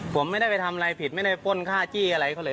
ผมไม่ได้ไปทำอะไรผิดไม่ได้ป้นค่าจี้อะไรเขาเลย